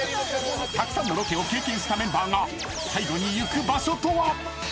［たくさんのロケを経験したメンバーが最後に行く場所とは？］